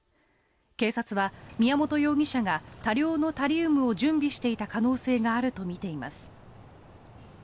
警察は宮本容疑者が多量のタリウムを準備していた可能性があるとみています。